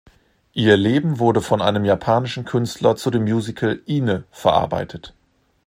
Ihr Leben wurde von einem japanischen Künstler zu dem Musical "Ine" verarbeitet.